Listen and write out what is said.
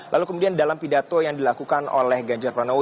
lalu kemudian dalam pidato yang dilakukan oleh ganjar pranowo